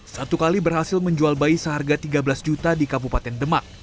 satu kali berhasil menjual bayi seharga tiga belas juta di kabupaten demak